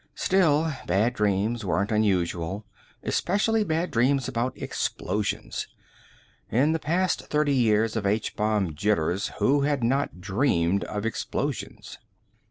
Still, bad dreams weren't unusual, especially bad dreams about explosions. In the past thirty years of H bomb jitters, who had not dreamed of explosions?